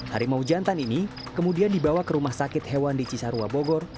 harimau jantan ini kemudian dibawa ke rumah sakit hewan di cisarua bogor